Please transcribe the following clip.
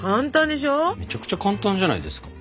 めちゃくちゃ簡単じゃないですか。